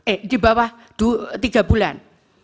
eh di bawah tiga bulan